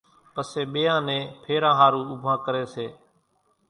پسيَ ٻيئان نين ڦيران ۿارُو اُوڀان ڪريَ سي۔